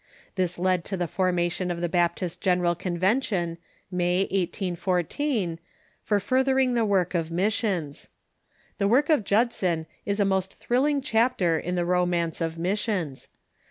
This led to the formation of the Baptist General Convention, May, 1814, for furthering the work of missions. The work of Judson is a most thrilling chapter in the romance of missions.